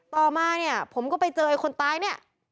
ต่อมาเนี่ยผมก็ไปเจอไอ้คนตายเนี่ย